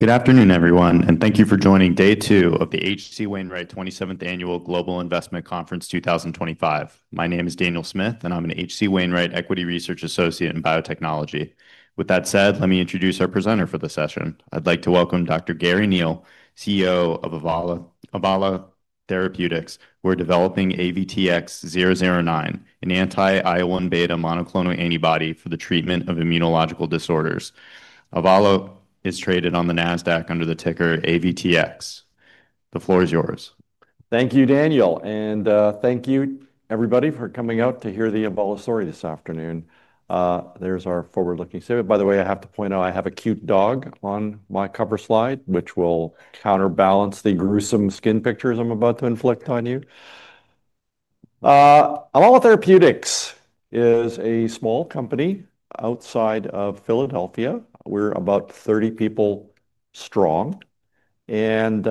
Good afternoon, everyone, and thank you for joining Day 2 of the HC Wainwright 27th Annual Global Investment Conference 2025. My name is Daniel Smith, and I'm an HC Wainwright Equity Research Associate in Biotechnology. With that said, let me introduce our presenter for the session. I'd like to welcome Dr. Garry Neil, CEO of Avalo Therapeutics. We're developing AVTX-009, an anti-IL-1 beta monoclonal antibody for the treatment of immunological disorders. Avalo is traded on the NASDAQ under the ticker AVTX. The floor is yours. Thank you, Daniel, and thank you, everybody, for coming out to hear the Avalo story this afternoon. There's our forward-looking save it. By the way, I have to point out I have a cute dog on my cover slide, which will counterbalance the gruesome skin pictures I'm about to inflict on you. Avalo Therapeutics is a small company outside of Philadelphia. We're about 30 people strong, and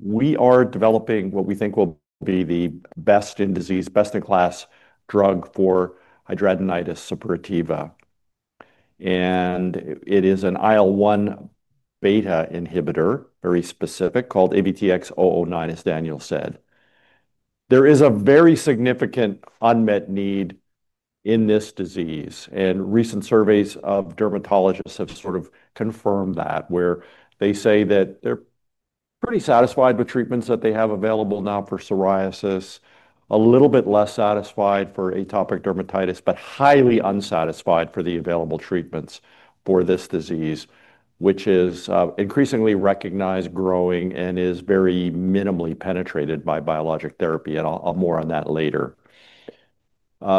we are developing what we think will be the best in disease, best-in-class drug for hidradenitis suppurativa. It is an IL-1 beta inhibitor, very specific, called AVTX-009, as Daniel said. There is a very significant unmet need in this disease, and recent surveys of dermatologists have sort of confirmed that, where they say that they're pretty satisfied with treatments that they have available now for psoriasis, a little bit less satisfied for atopic dermatitis, but highly unsatisfied for the available treatments for this disease, which is increasingly recognized, growing, and is very minimally penetrated by biologic therapy. I'll more on that later.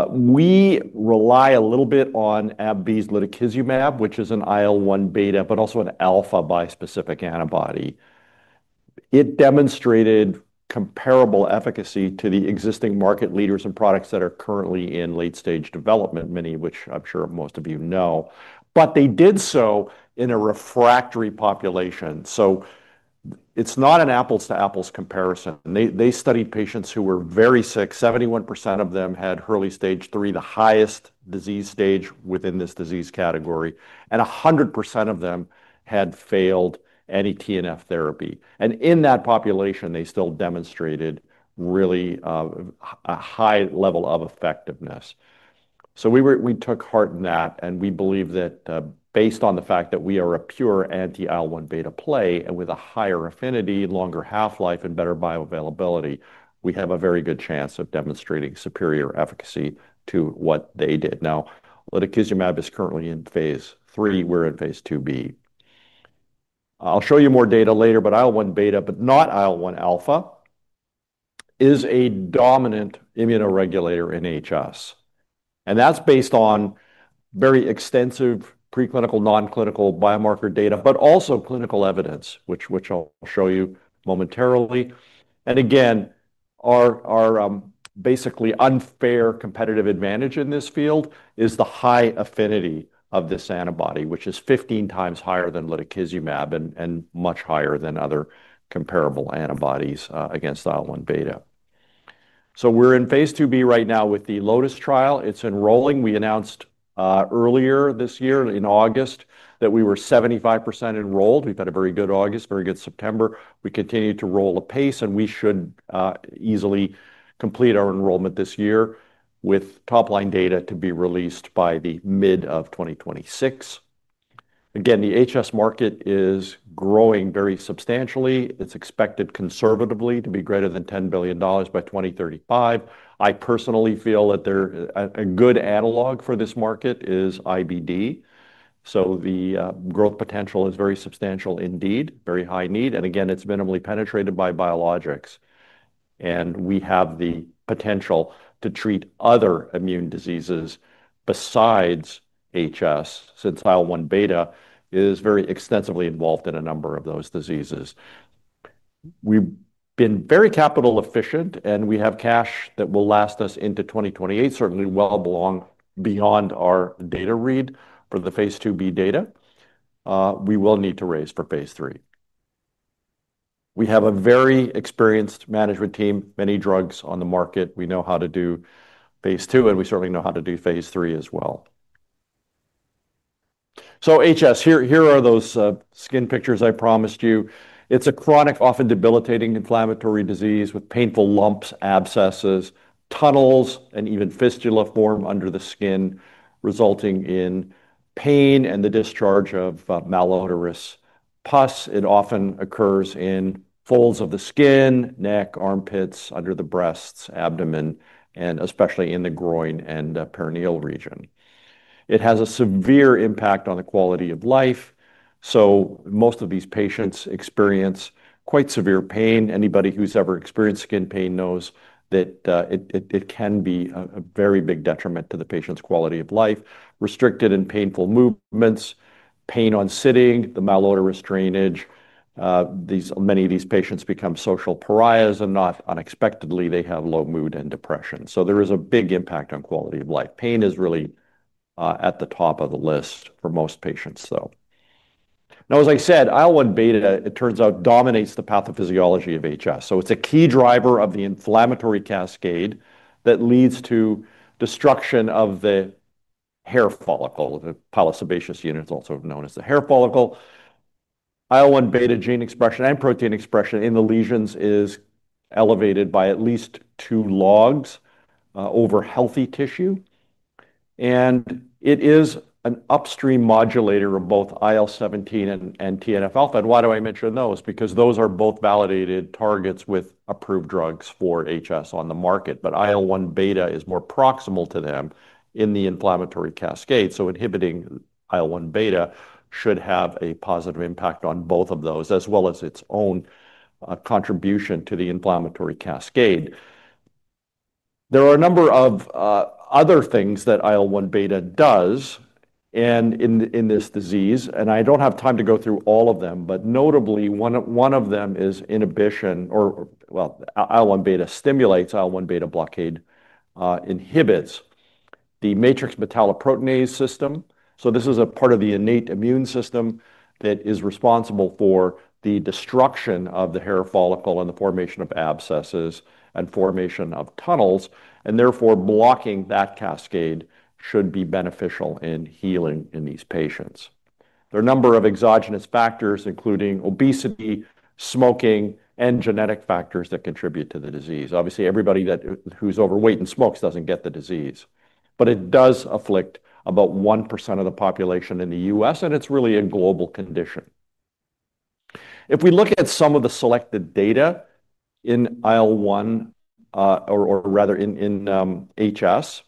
We rely a little bit on AbbVie's luticizumab, which is an IL-1 beta, but also an alpha bispecific antibody. It demonstrated comparable efficacy to the existing market leaders and products that are currently in late-stage development, many of which I'm sure most of you know, but they did so in a refractory population. It's not an apples-to-apples comparison. They studied patients who were very sick. 71% of them had early stage 3, the highest disease stage within this disease category, and 100% of them had failed any TNF therapy. In that population, they still demonstrated really a high level of effectiveness. We took heart in that, and we believe that based on the fact that we are a pure anti-IL-1 beta play, and with a higher affinity, longer half-life, and better bioavailability, we have a very good chance of demonstrating superior efficacy to what they did. Now, luticizumab is currently in phase 3. We're in phase 2B. I'll show you more data later, but IL-1 beta, but not IL-1 alpha, is a dominant immunoregulator in HS. That's based on very extensive preclinical, non-clinical biomarker data, but also clinical evidence, which I'll show you momentarily. Our basically unfair competitive advantage in this field is the high affinity of this antibody, which is 15 times higher than luticizumab and much higher than other comparable antibodies against IL-1 beta. We're in phase 2B right now with the LOTUS trial. It's enrolling. We announced earlier this year in August that we were 75% enrolled. We've had a very good August, very good September. We continue to roll a pace, and we should easily complete our enrollment this year with top-line data to be released by the middle of 2026. The HS market is growing very substantially. It's expected conservatively to be greater than $10 billion by 2035. I personally feel that a good analog for this market is IBD. The growth potential is very substantial indeed, very high need. It's minimally penetrated by biologics. We have the potential to treat other immune diseases besides HS, since IL-1 beta is very extensively involved in a number of those diseases. We've been very capital efficient, and we have cash that will last us into 2028, certainly well beyond our data read for the phase 2B data. We will need to raise for phase 3. We have a very experienced management team, many drugs on the market. We know how to do phase 2, and we certainly know how to do phase 3 as well. HS, here are those skin pictures I promised you. It's a chronic, often debilitating inflammatory disease with painful lumps, abscesses, tunnels, and even fistula form under the skin, resulting in pain and the discharge of malodorous pus. It often occurs in folds of the skin, neck, armpits, under the breasts, abdomen, and especially in the groin and perineal region. It has a severe impact on the quality of life. Most of these patients experience quite severe pain. Anybody who's ever experienced skin pain knows that it can be a very big detriment to the patient's quality of life. Restricted and painful movements, pain on sitting, the malodorous drainage. Many of these patients become social pariahs, and not unexpectedly, they have low mood and depression. There is a big impact on quality of life. Pain is really at the top of the list for most patients, though. As I said, IL-1 beta, it turns out, dominates the pathophysiology of HS. It's a key driver of the inflammatory cascade that leads to destruction of the hair follicle, the polysebaceous unit, also known as the hair follicle. IL-1 beta gene expression and protein expression in the lesions is elevated by at least two logs over healthy tissue. It is an upstream modulator of both IL-17 and TNF-alpha. Why do I mention those? Those are both validated targets with approved drugs for HS on the market. IL-1 beta is more proximal to them in the inflammatory cascade. Inhibiting IL-1 beta should have a positive impact on both of those, as well as its own contribution to the inflammatory cascade. There are a number of other things that IL-1 beta does in this disease, and I don't have time to go through all of them, but notably, one of them is inhibition, or IL-1 beta stimulates IL-1 beta blockade, inhibits the matrix metalloproteinase system. This is a part of the innate immune system that is responsible for the destruction of the hair follicle and the formation of abscesses and formation of tunnels. Therefore, blocking that cascade should be beneficial in healing in these patients. There are a number of exogenous factors, including obesity, smoking, and genetic factors that contribute to the disease. Obviously, everybody who's overweight and smokes doesn't get the disease. It does afflict about 1% of the population in the U.S., and it's really a global condition. If we look at some of the selected data in IL-1, or rather in HS,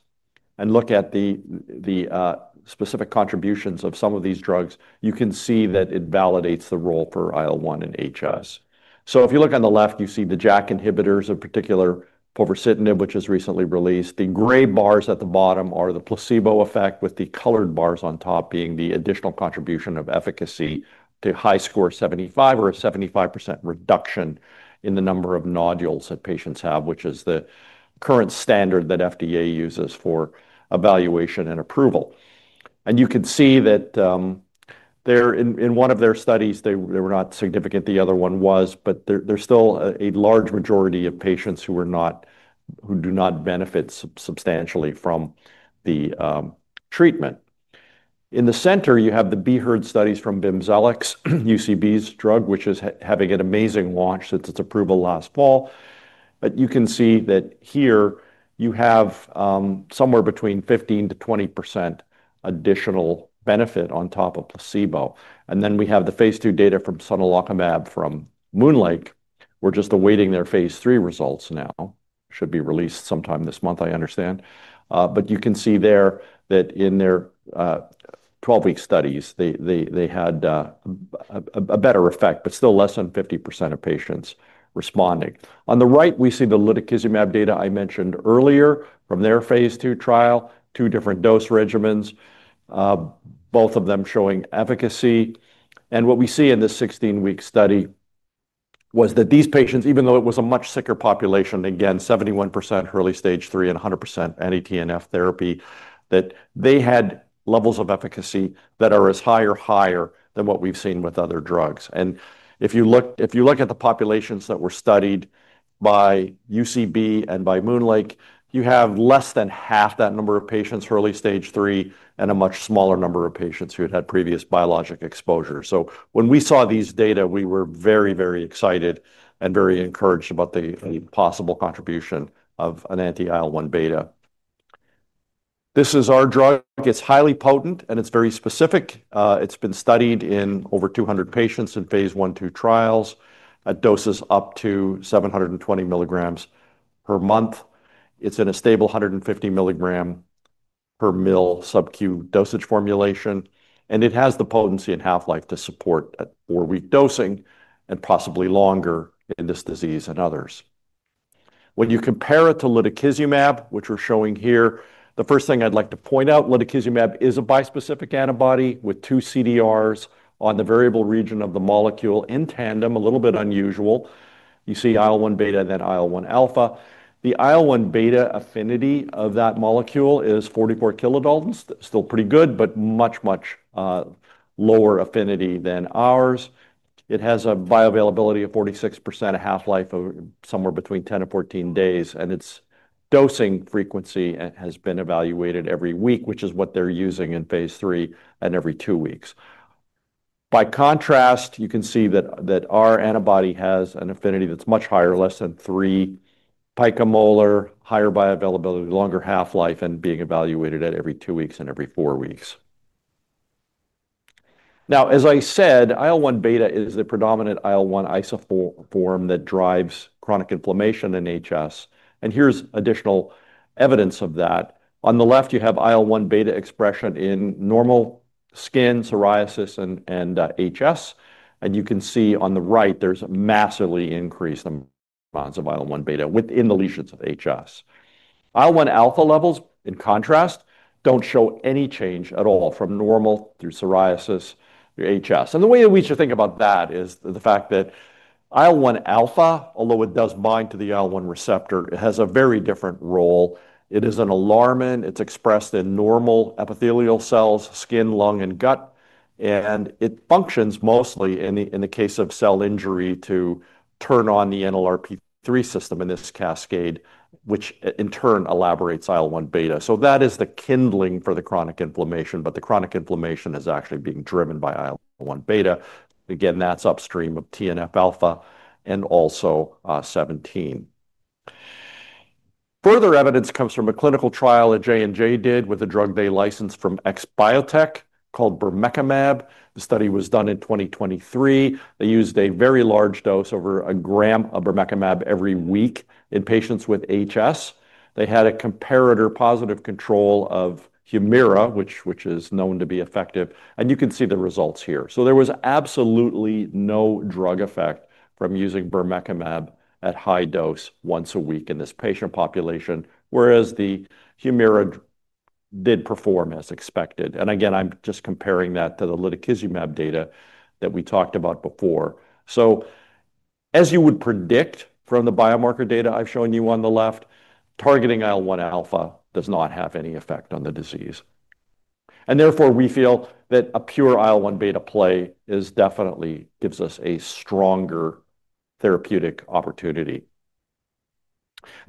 and look at the specific contributions of some of these drugs, you can see that it validates the role for IL-1 in HS. If you look on the left, you see the JAK inhibitors, in particular povasitinib, which was recently released. The gray bars at the bottom are the placebo effect, with the colored bars on top being the additional contribution of efficacy to HiSCR75, or a 75% reduction in the number of nodules that patients have, which is the current standard that FDA uses for evaluation and approval. You can see that in one of their studies, they were not significant; the other one was, but there's still a large majority of patients who do not benefit substantially from the treatment. In the center, you have the BEHEARD studies from Bimzelx, UCB's drug, which is having an amazing launch since its approval last fall. You can see that here you have somewhere between 15% to 20% additional benefit on top of placebo. We have the phase 2 data from sonelokimab from MoonLake. We're just awaiting their phase 3 results now. It should be released sometime this month, I understand. You can see there that in their 12-week studies, they had a better effect, but still less than 50% of patients responding. On the right, we see the luticizumab data I mentioned earlier from their phase 2 trial, two different dose regimens, both of them showing efficacy. What we see in this 16-week study was that these patients, even though it was a much sicker population, again, 71% early stage 3 and 100% anti-TNF therapy, had levels of efficacy that are as high or higher than what we've seen with other drugs. If you look at the populations that were studied by UCB and by Moonlake, you have less than half that number of patients early stage 3 and a much smaller number of patients who had had previous biologic exposure. When we saw these data, we were very, very excited and very encouraged about the possible contribution of an anti-IL-1 beta. This is our drug. It's highly potent and it's very specific. It's been studied in over 200 patients in phase 1-2 trials at doses up to 720 milligrams per month. It's in a stable 150 milligram per milliliter subcu dosage formulation. It has the potency and half-life to support four-week dosing and possibly longer in this disease and others. When you compare it to luticizumab, which we're showing here, the first thing I'd like to point out is luticizumab is a bispecific antibody with two CDRs on the variable region of the molecule in tandem, a little bit unusual. You see IL-1 beta and then IL-1 alpha. The IL-1 beta affinity of that molecule is 44 kilodaltons, still pretty good, but much, much lower affinity than ours. It has a bioavailability of 46%, a half-life of somewhere between 10 and 14 days, and its dosing frequency has been evaluated every week, which is what they're using in phase 3, and every two weeks. By contrast, you can see that our antibody has an affinity that's much higher, less than 3 picomolar, higher bioavailability, longer half-life, and being evaluated at every two weeks and every four weeks. As I said, IL-1 beta is the predominant IL-1 isoform that drives chronic inflammation in HS. Here's additional evidence of that. On the left, you have IL-1 beta expression in normal skin, psoriasis, and HS. You can see on the right, there's a massively increased amount of IL-1 beta within the lesions of HS. IL-1 alpha levels, in contrast, don't show any change at all from normal through psoriasis to HS. The way that we should think about that is the fact that IL-1 alpha, although it does bind to the IL-1 receptor, has a very different role. It is an alarmant. It's expressed in normal epithelial cells, skin, lung, and gut. It functions mostly in the case of cell injury to turn on the NLRP3 system in this cascade, which in turn elaborates IL-1 beta. That is the kindling for the chronic inflammation, but the chronic inflammation is actually being driven by IL-1 beta. Again, that's upstream of TNF-alpha and also 17. Further evidence comes from a clinical trial that J&J did with a drug they licensed from XBiotech called bermekimab. The study was done in 2023. They used a very large dose, over a gram of bermekimab every week in patients with HS. They had a comparative positive control of Humira, which is known to be effective. You can see the results here. There was absolutely no drug effect from using bermekimab at high dose once a week in this patient population, whereas the Humira did perform as expected. I'm just comparing that to the luticizumab data that we talked about before. As you would predict from the biomarker data I've shown you on the left, targeting IL-1 alpha does not have any effect on the disease. Therefore, we feel that a pure IL-1 beta play definitely gives us a stronger therapeutic opportunity.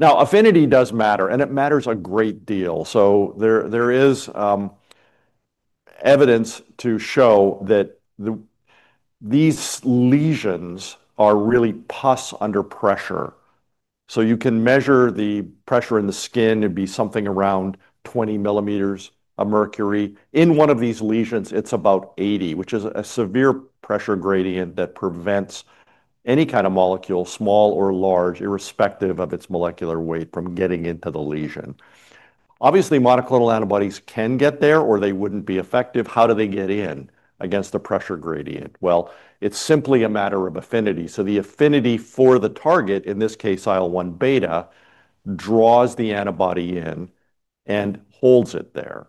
Affinity does matter, and it matters a great deal. There is evidence to show that these lesions are really pus under pressure. You can measure the pressure in the skin. It'd be something around 20 millimeters of mercury. In one of these lesions, it's about 80, which is a severe pressure gradient that prevents any kind of molecule, small or large, irrespective of its molecular weight, from getting into the lesion. Obviously, monoclonal antibodies can get there, or they wouldn't be effective. How do they get in against the pressure gradient? It's simply a matter of affinity. The affinity for the target, in this case, IL-1 beta, draws the antibody in and holds it there.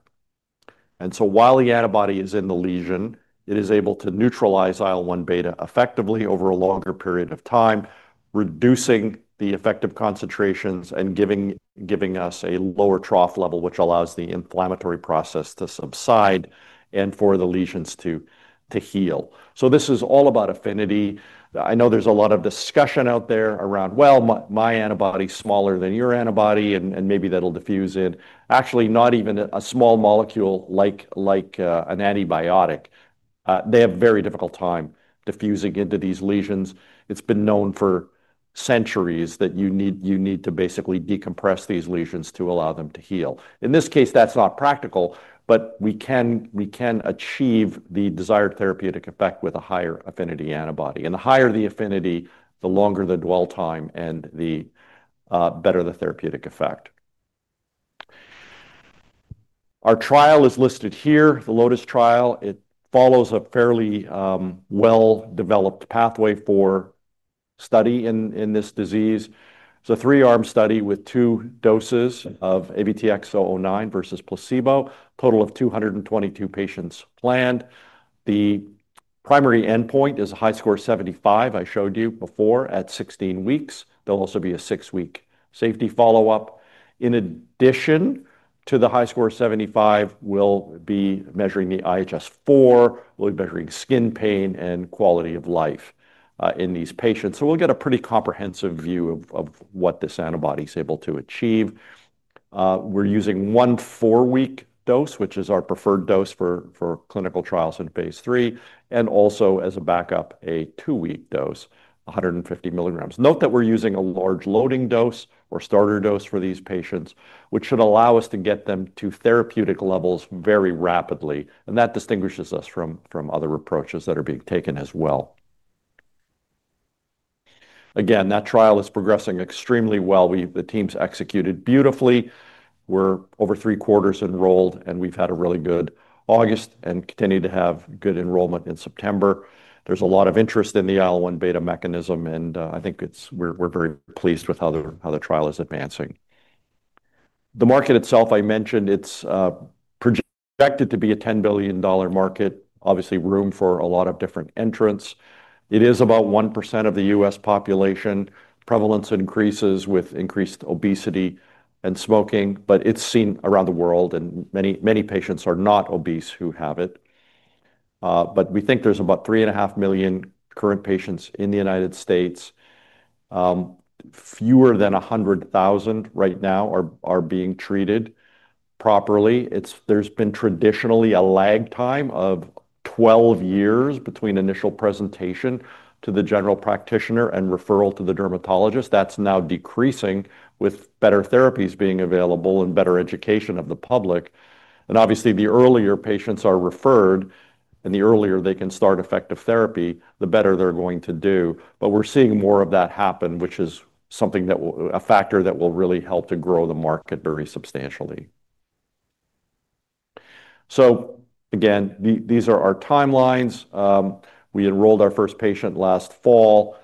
While the antibody is in the lesion, it is able to neutralize IL-1 beta effectively over a longer period of time, reducing the effective concentrations and giving us a lower trough level, which allows the inflammatory process to subside and for the lesions to heal. This is all about affinity. I know there's a lot of discussion out there around, well, my antibody is smaller than your antibody, and maybe that'll diffuse it. Actually, not even a small molecule like an antibiotic. They have a very difficult time diffusing into these lesions. It's been known for centuries that you need to basically decompress these lesions to allow them to heal. In this case, that's not practical, but we can achieve the desired therapeutic effect with a higher affinity antibody. The higher the affinity, the longer the dwell time and the better the therapeutic effect. Our trial is listed here, the LOTUS trial. It follows a fairly well-developed pathway for study in this disease. It's a three-arm study with two doses of AVTX-009 versus placebo. A total of 222 patients planned. The primary endpoint is HiSCR75. I showed you before at 16 weeks. There will also be a six-week safety follow-up. In addition to HiSCR75, we'll be measuring the IHS-4. We'll be measuring skin pain and quality of life in these patients. We'll get a pretty comprehensive view of what this antibody is able to achieve. We're using one four-week dose, which is our preferred dose for clinical trials in phase 3, and also as a backup, a two-week dose, 150 milligrams. Note that we're using a large loading dose or starter dose for these patients, which should allow us to get them to therapeutic levels very rapidly. That distinguishes us from other approaches that are being taken as well. That trial is progressing extremely well. The teams executed beautifully. We're over three quarters enrolled, and we've had a really good August and continue to have good enrollment in September. There's a lot of interest in the IL-1 beta mechanism, and I think we're very pleased with how the trial is advancing. The market itself, I mentioned, it's projected to be a $10 billion market. Obviously, room for a lot of different entrants. It is about 1% of the U.S. population. Prevalence increases with increased obesity and smoking, but it's seen around the world, and many patients are not obese who have it. We think there's about 3.5 million current patients in the United States. Fewer than 100,000 right now are being treated properly. There's been traditionally a lag time of 12 years between initial presentation to the general practitioner and referral to the dermatologist. That's now decreasing with better therapies being available and better education of the public. Obviously, the earlier patients are referred and the earlier they can start effective therapy, the better they're going to do. We're seeing more of that happen, which is something that a factor that will really help to grow the market very substantially. These are our timelines. We enrolled our first patient last fall.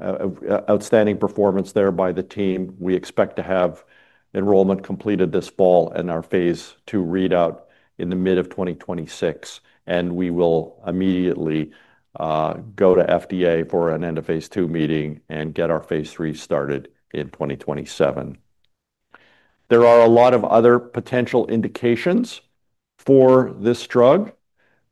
Outstanding performance there by the team. We expect to have enrollment completed this fall and our phase 2 readout in the mid of 2026. We will immediately go to FDA for an end of phase 2 meeting and get our phase 3 started in 2027. There are a lot of other potential indications for this drug.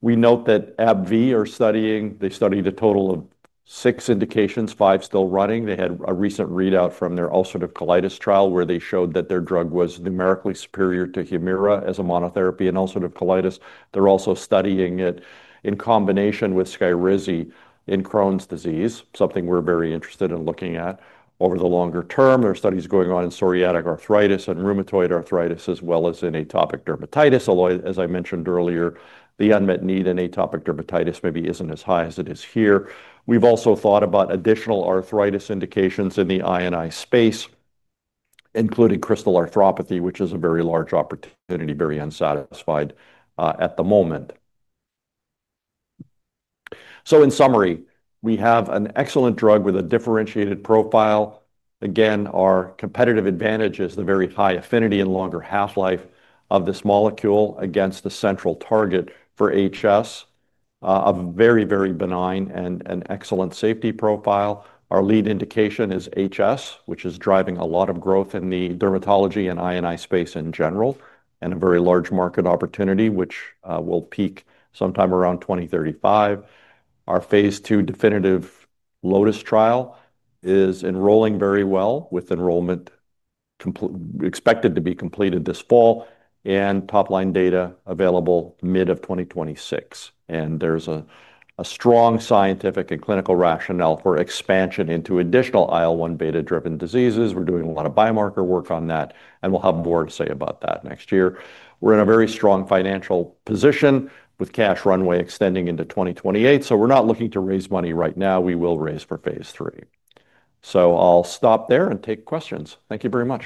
We note that AbbVie are studying. They studied a total of six indications, five still running. They had a recent readout from their ulcerative colitis trial where they showed that their drug was numerically superior to Humira as a monotherapy in ulcerative colitis. They're also studying it in combination with Skyrizi in Crohn’s disease, something we're very interested in looking at over the longer term. There are studies going on in psoriatic arthritis and rheumatoid arthritis, as well as in atopic dermatitis, although as I mentioned earlier, the unmet need in atopic dermatitis maybe isn't as high as it is here. We've also thought about additional arthritis indications in the INI space, including crystal arthropathy, which is a very large opportunity, very unsatisfied at the moment. In summary, we have an excellent drug with a differentiated profile. Our competitive advantage is the very high affinity and longer half-life of this molecule against the central target for HS. A very, very benign and excellent safety profile. Our lead indication is HS, which is driving a lot of growth in the dermatology and INI space in general, and a very large market opportunity, which will peak sometime around 2035. Our phase 2 definitive LOTUS trial is enrolling very well, with enrollment expected to be completed this fall and top-line data available mid of 2026. There's a strong scientific and clinical rationale for expansion into additional IL-1 beta-driven diseases. We're doing a lot of biomarker work on that, and we'll have more to say about that next year. We're in a very strong financial position with cash runway extending into 2028. We're not looking to raise money right now. We will raise for phase 3. I'll stop there and take questions. Thank you very much.